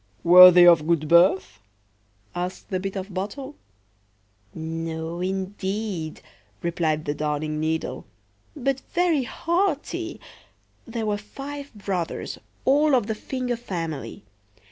"Were they of good birth?" asked the Bit of Bottle."No, indeed, replied the Darning needle; "but very haughty. There were five brothers, all of the finger family.